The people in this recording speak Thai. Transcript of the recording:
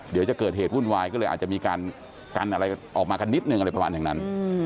เดี๋ยวจะเกิดเหตุวุ่นวายก็เลยอาจจะมีการกันอะไรออกมากันนิดนึงอะไรประมาณอย่างนั้น